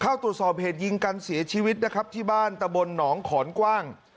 เข้าตรวจสอบเหตุยิงกันเสียชีวิตนะครับที่บ้านตะบนหนองขอนกว้าง